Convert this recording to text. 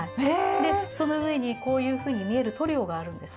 でその上にこういうふうに見える塗料があるんです。